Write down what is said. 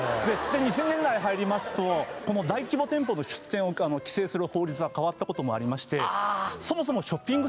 ２０００年代に入りますと大規模店舗の出店を規制する法律が変わったこともありまして・